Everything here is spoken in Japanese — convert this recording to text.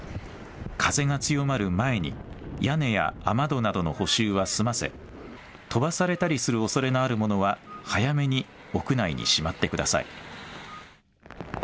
風が強まる前に屋根や雨戸などの補修は済ませ飛ばされたりするおそれのあるものは早めに屋内にしまってください。